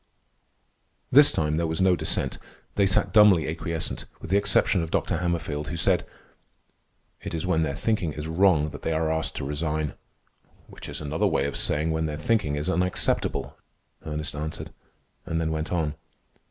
This time there was no dissent. They sat dumbly acquiescent, with the exception of Dr. Hammerfield, who said: "It is when their thinking is wrong that they are asked to resign." "Which is another way of saying when their thinking is unacceptable," Ernest answered, and then went on.